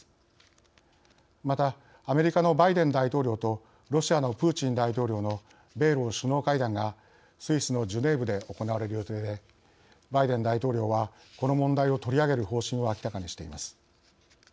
またアメリカのバイデン大統領とロシアのプーチン大統領の米ロ首脳会談がスイスのジュネーブで行われる予定でバイデン大統領はこの問題を取り上げる方針を明らかにしています。